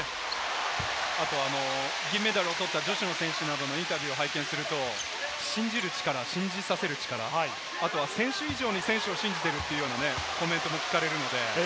あと銀メダルを取った女子の選手のインタビューを拝見すると信じる力、信じさせる力、選手以上に選手を信じているというコメントも聞かれます。